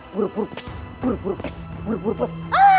pur pur pus pur pur pus pur pur pus